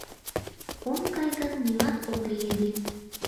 Ом кай гын, нимат ок лий ыле.